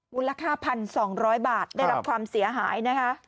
มูลค่า๑๒๐๐บาทได้รับความเสียหายนะคะ